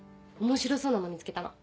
面白そうなの見つけたの。